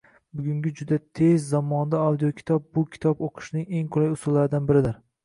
Bugungi juda tez zamonda audiokitob bu kitob oʻqishning eng qulay usullaridan biridir.